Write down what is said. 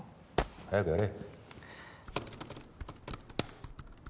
早くやれ！